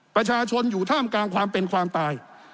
ประชาชนอยู่ท่ามกลางความเป็นความตาย